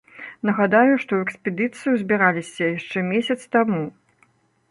Нагадаю, што ў экспедыцыю збіраліся яшчэ месяц таму.